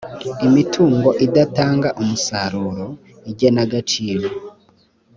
imitungo idatanga umusaruro igenagaciro